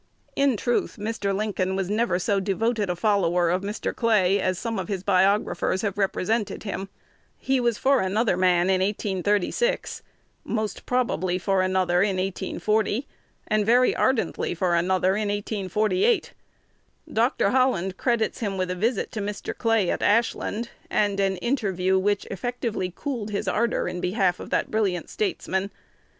In truth, Mr. Lincoln was never so devoted a follower of Mr. Clay as some of his biographers have represented him. He was for another man in 1836, most probably for another in 1840, and very ardently for another in 1848. Dr. Holland credits him with a visit to Mr. Clay at Ashland, and an interview which effectually cooled his ardor in behalf of the brilliant statesman.